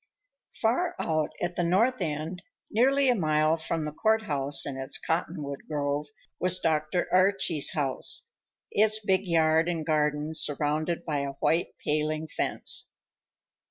Far out at the north end, nearly a mile from the court house and its cottonwood grove, was Dr. Archie's house, its big yard and garden surrounded by a white paling fence.